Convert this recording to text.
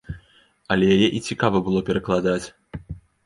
Але яе і цікава было перакладаць.